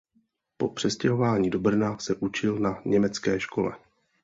Po přestěhování do Brna se učil na německé škole.